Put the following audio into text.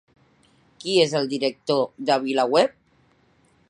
Qui és el director de VilaWeb?